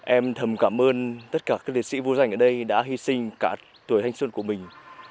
em thầm cảm ơn tất cả các liệt sĩ vô giành ở đây đã hy sinh cả tuổi thanh xuân của mình